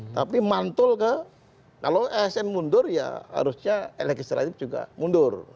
tapi mantul ke kalau asn mundur ya harusnya legislatif juga mundur